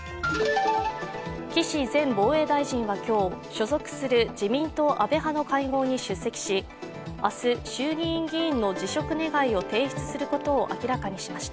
岸前防衛大臣は今日、所属する自民党・安倍派の会合に出席し、明日、衆議院議員の辞職願を提出することを明らかにしました。